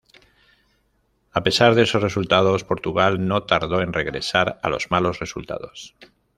A pesar de esos resultados, Portugal no tardó en regresar a los malos resultados.